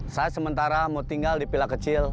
saya sementara mau tinggal di pilak kecil